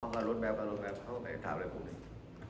ก็รถแบบก็รถแบบเขาก็ไปถามอะไรพวกนี้